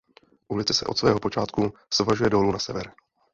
Ulice se od svého počátku svažuje dolů na sever.